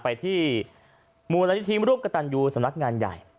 ไปที่มูลนิธิร่วมกระตันยูสำนักงานใหญ่